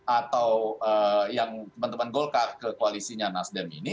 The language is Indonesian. atau yang teman teman golkar ke koalisinya nasdem ini